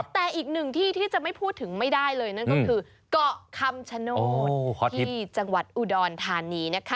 แต่อีกหนึ่งที่ที่จะไม่พูดถึงไม่ได้เลยนั่นก็คือเกาะคำชโนธที่จังหวัดอุดรธานีนะคะ